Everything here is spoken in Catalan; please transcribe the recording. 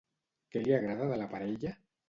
Què li agrada de la parella?